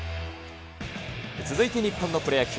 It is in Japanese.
続いて日本のプロ野球。